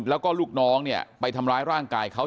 แล้วก็ลูกน้องเนี่ยไปทำร้ายร่างกายเขา